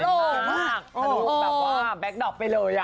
ถูกแบบว่าแบคดอปไปเลยอะ